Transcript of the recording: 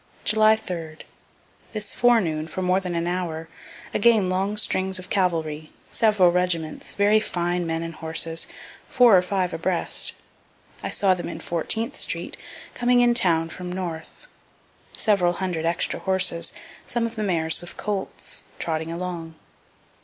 July 3. This forenoon, for more than an hour, again long strings of cavalry, several regiments, very fine men and horses, four or five abreast. I saw them in Fourteenth street, coming in town from north. Several hundred extra horses, some of the mares with colts, trotting along.